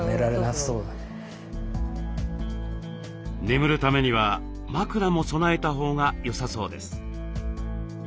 眠るためには枕も備えたほうがよさそうです。